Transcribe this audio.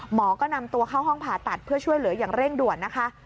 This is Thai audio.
หมอก็นำตัวเข้าห้องผ่าตัดเพื่อช่วยเหลืออย่างเร่งด่วนนะคะ